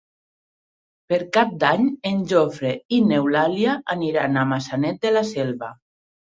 Per Cap d'Any en Jofre i n'Eulàlia aniran a Maçanet de la Selva.